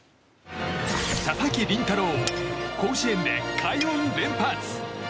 佐々木麟太郎甲子園で快音連発！